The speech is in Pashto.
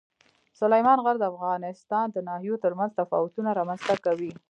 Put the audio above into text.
سلیمان غر د افغانستان د ناحیو ترمنځ تفاوتونه رامنځ ته کوي.